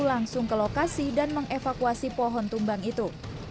langsung ke lokasi dan mengevakuasi pohon tumbang itu